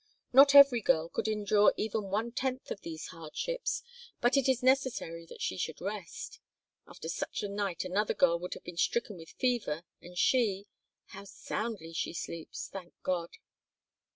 Not every girl could endure even one tenth of these hardships, but it is necessary that she should rest! After such a night another girl would have been stricken with fever and she how soundly she sleeps! Thank God!"